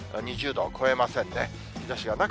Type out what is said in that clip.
２０度を超えませんね。